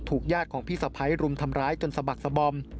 ญาติของพี่สะพ้ายรุมทำร้ายจนสะบักสะบอม